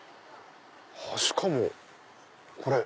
しかもこれ！